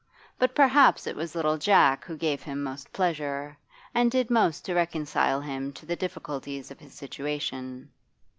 But perhaps it was little Jack who gave him most pleasure, and did most to reconcile him to the difficulties of his situation.